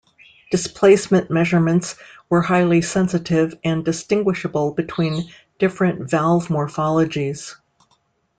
Displacement measurements were highly sensitive and distinguishable between different valve morphologies.